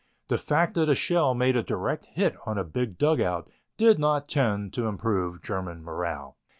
The fact that a shell made a direct hit on a big dugout did not tend to improve German morale.